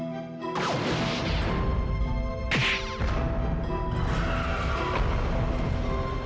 dewi sawitri dan sarpala